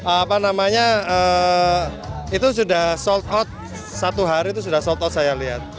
apa namanya itu sudah sold out satu hari itu sudah sold out saya lihat